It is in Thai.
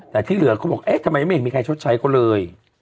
แต่ที่เหลือเขาบอกเอ๊ะทำไมยังไม่มีใครชดใช้ก็เลย